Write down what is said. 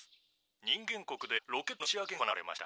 人間国でロケットの打ち上げが行われました」。